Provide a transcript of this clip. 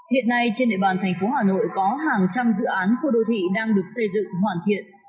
hiện nay trên địa bàn thành phố hà nội có hàng trăm dự án khu đô thị đang được xây dựng hoàn thiện